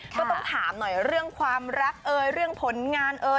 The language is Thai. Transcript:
ก็ต้องถามหน่อยเรื่องความรักเรื่องผลงาน